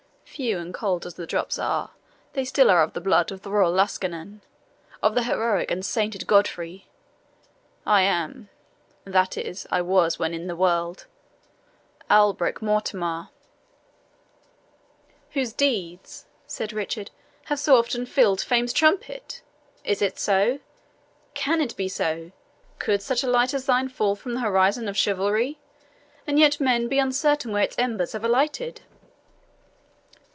Few and cold as the drops are, they still are of the blood of the royal Lusignan of the heroic and sainted Godfrey. I am that is, I was when in the world Alberick Mortemar " "Whose deeds," said Richard, "have so often filled Fame's trumpet! Is it so? can it be so? Could such a light as thine fall from the horizon of chivalry, and yet men be uncertain where its embers had alighted?"